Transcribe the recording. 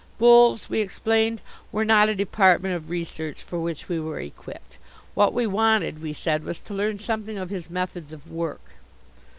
Bulls, we explained, were not a department of research for which we were equipped. What we wanted, we said, was to learn something of his methods of work.